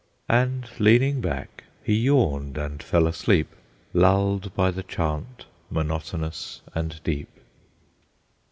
And leaning back, he yawned and fell asleep, Lulled by the chant monotonous and deep.